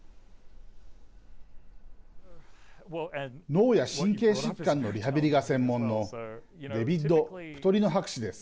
脳や神経疾患のリハビリが専門のデビッド・プトリノ博士です。